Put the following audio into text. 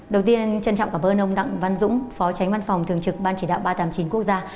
đầu tiên trân trọng cảm ơn ông đặng văn dũng phó tránh văn phòng thường trực ban chỉ đạo ba trăm tám mươi chín quốc gia